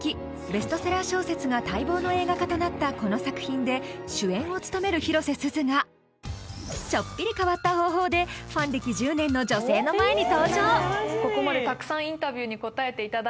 ベストセラー小説が待望の映画化となったこの作品で主演を務める広瀬すずがちょっぴり変わった方法でファン歴１０年の女性の前に登場